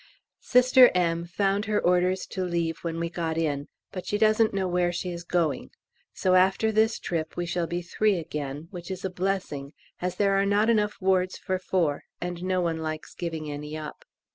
Sister M. found her orders to leave when we got in, but she doesn't know where she is going. So after this trip we shall be three again, which is a blessing, as there are not enough wards for four, and no one likes giving any up.